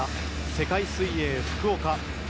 世界水泳福岡。